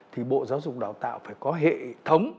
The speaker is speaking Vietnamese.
thì bộ giáo dục đào tạo phải có hệ thống